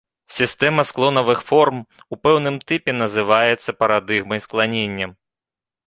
Сістэма склонавых форм у пэўным тыпе называецца парадыгмай скланення.